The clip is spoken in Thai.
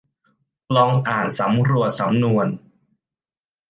ลองอ่านสำรวจสำนวน